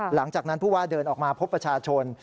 หลังจากนั้นผู้ว่าเดินออกมาพบประชาชน